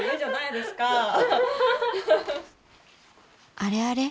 あれあれ？